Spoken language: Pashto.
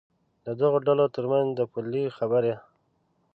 د دغو ډلو تر منځ د پولې خبره.